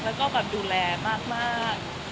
แล้วก็แบบดูแลมาก